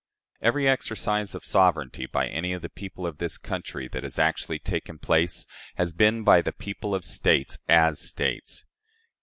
Every exercise of sovereignty by any of the people of this country that has actually taken place has been by the people of States as States.